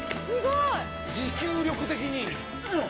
持久力的に。